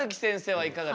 はい。